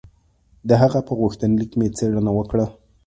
د هغه په غوښتنلیک مې څېړنه وکړه.